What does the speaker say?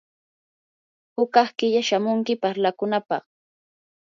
hukaq killa shamunki parlakunapaq.